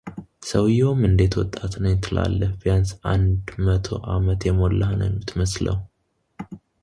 ሰውየውም እንዴት ወጣት ነኝ ትላለህ ቢያንስ አንድ መቶ አመት የሞላህ ነው የምትመስለው፡፡